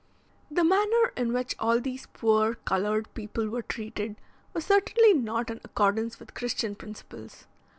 The manner in which all these poor coloured people were treated was certainly not in accordance with Christian principles.